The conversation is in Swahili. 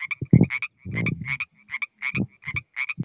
Kuenea kwa ugonjwa wa homa ya mapafu kwa mnyama mwenye afya